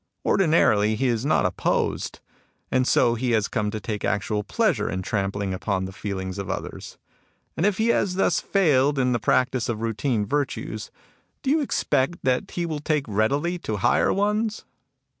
Ordinarily, he is not opposed, and so he has come to take actual pleasure in trampling upon the feelings of others. And if he has thus failed in the practice of routine virtues, do you expect that he will take readily to higher ones